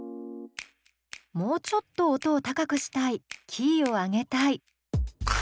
もうちょっと音を高くしたいキーを上げたい。